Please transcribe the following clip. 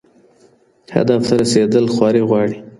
هدف ته رسېدل خواري غواړي.